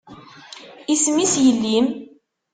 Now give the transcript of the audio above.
Isem-is yelli-m?